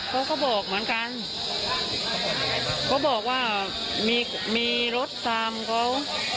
เขาก็บอกเหมือนกันเขาบอกว่ามีมีรถตามเขา